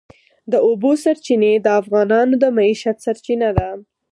د اوبو سرچینې د افغانانو د معیشت سرچینه ده.